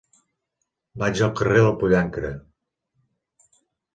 Vaig al carrer del Pollancre.